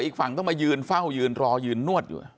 อีกฝั่งต้องมายืนเฝ้ายืนรอยืนนวดอยู่